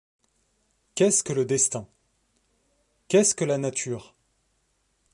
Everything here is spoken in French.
Qu’est-ce que le destin ? qu’est-ce que la nature ?